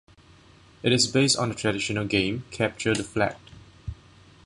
It is based on the traditional game "Capture the flag".